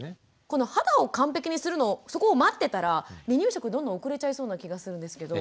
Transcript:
この肌を完璧にするのをそこを待ってたら離乳食どんどん遅れちゃいそうな気がするんですけど。